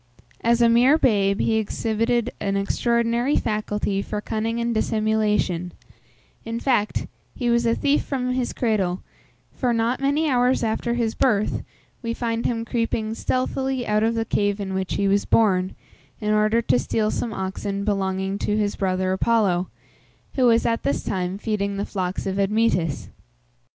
As a mere babe, he exhibited an extraordinary faculty for cunning and dissimulation; in fact, he was a thief from his cradle, for, not many hours after his birth, we find him creeping stealthily out of the cave in which he was born, in order to steal some oxen belonging to his brother Apollo, who was at this time feeding the flocks of Admetus.